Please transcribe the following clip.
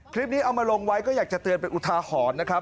คลิปนี้เอามาลงไว้ก็อยากจะเตือนเป็นอุทาหรณ์นะครับ